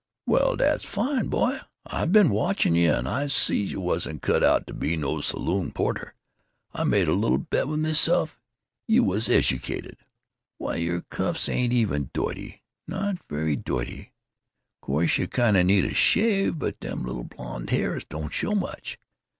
"Well, dat's fine, boy. I been watching yuh, and I sees y' wasn't cut out to be no saloon porter. I made a little bet with meself you was ejucated. Why, y'r cuffs ain't even doity—not very doity. Course you kinda need a shave, but dem little blond hairs don't show much.